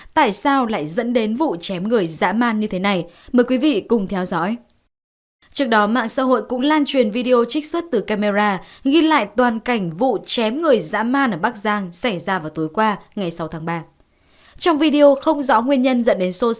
hãy đăng ký kênh để ủng hộ kênh của chúng mình nhé